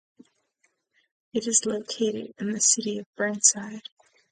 It is located in the City of Burnside.